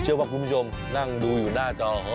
เชื่อว่าคุณผู้ชมนั่งดูอยู่หน้าจอ